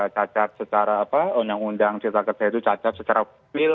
cacat secara apa undang undang cipta kerja itu cacat secara mil